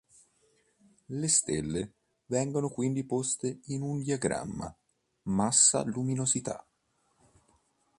Le stelle vengono quindi poste in un diagramma massa-luminosità.